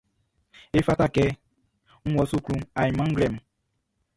Efata kɛ n wɔ suklu ainman nglɛmun.